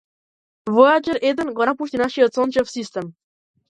Војаџер еден го напушти нашиот сончев систем.